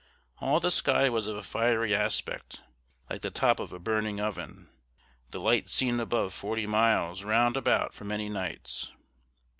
All the sky was of a fiery aspect, like the top of a burning oven, the light seen above forty miles round about for many nights.